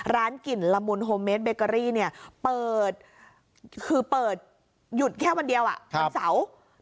ร้านกลิ่นละมุนโฮเมดเบเกอรี่เนี่ยเปิดคือเปิดหยุดแค่วันเดียววันเสาร์